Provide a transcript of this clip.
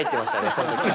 その時は。